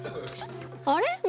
あれ？